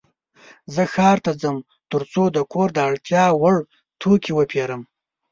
زه ښار ته ځم ترڅو د کور د اړتیا وړ توکې وپيرم.